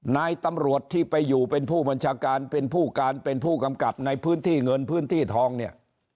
นายตำรวจที่ไปอยู่เป็นผู้บัญชาการเป็นผู้การเป็นผู้กำกับในพื้นที่เงินพื้นที่ทองเนี่ย